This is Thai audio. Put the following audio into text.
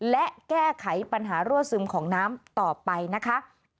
และแก้ไขปัญหารั่วซึมของน้ำต่อไปนะคะ